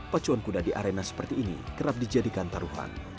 pacuan kuda di arena seperti ini kerap dijadikan taruhan